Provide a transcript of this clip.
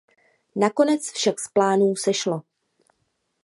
Nakonec však z plánů sešlo.